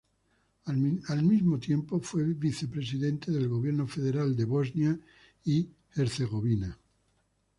Al mismo tiempo, fue Vicepresidente del Gobierno Federal de Bosnia y Herzegovina.